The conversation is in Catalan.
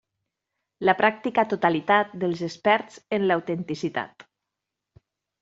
La pràctica totalitat dels experts en l'autenticitat.